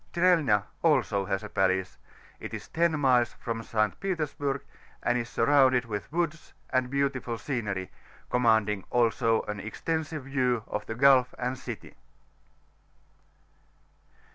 Strelna also has a palace; it is 10 miles from St. Petersburg, and IS surrounded with woods and beautiful scenery, commanding also an extensive view of the gulf and city